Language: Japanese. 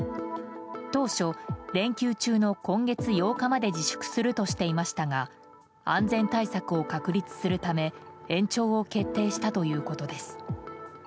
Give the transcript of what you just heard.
当初、連休中の今月８日まで自粛するとしていましたが安全対策を確立するため延長を決定したということです。